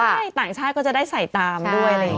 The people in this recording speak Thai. ใช่ต่างชาติก็จะได้ใส่ตามด้วย